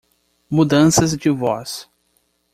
Mudanças de voz